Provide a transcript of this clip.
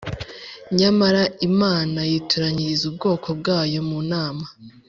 nyamara imana yitoranyiriza ubwoko bwayo munama